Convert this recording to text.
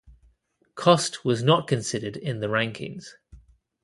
Cost was not considered in the rankings.